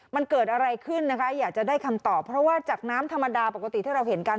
มันเกิดอะไรขึ้นนะคะอยากจะได้คำตอบเพราะว่าจากน้ำธรรมดาปกติที่เราเห็นกัน